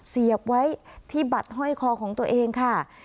เสียบไว้ที่บัตรห้อยคอของตัวเองค่ะ